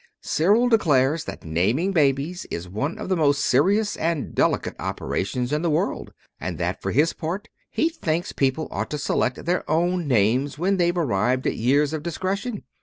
Cyril declares that naming babies is one of the most serious and delicate operations in the world, and that, for his part, he thinks people ought to select their own names when they've arrived at years of discretion.